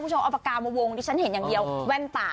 เอาปากกามาวงดิฉันเห็นอย่างเดียวแว่นตา